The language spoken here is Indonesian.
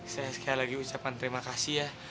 saya sekali lagi ucapan terima kasih ya